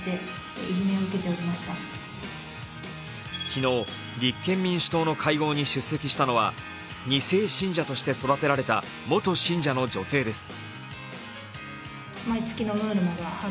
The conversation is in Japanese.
昨日、立憲民主党の会合に出席したのは二世信者として育てられた元信者の女性です。